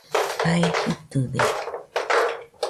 Jae jitɨde